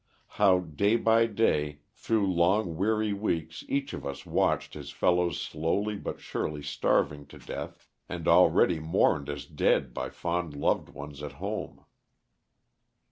How day by day, through long weary weeks each of us watched his fellows slowly but surely starving to death, and already mourned as dead by fond loved ones at home.